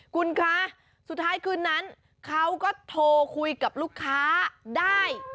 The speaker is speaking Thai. คุณคะสุดท้ายคืนนั้นเขาก็โทรคุยกับลูกค้าได้